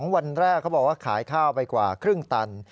วันแรกเขาบอกว่าขายข้าวไปกว่าครึ่งตัน